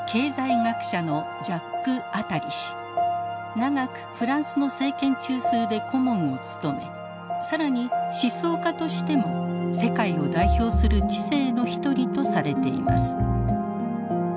長くフランスの政権中枢で顧問を務め更に思想家としても世界を代表する知性の一人とされています。